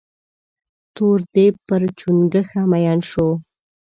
تور ديب پر چونگوښه مين سو.